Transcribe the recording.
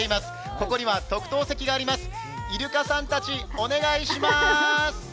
ここには特等席があります、イルカさんたちお願いします。